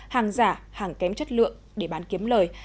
hàng giả hàng kém chất lượng để bán kiếm lời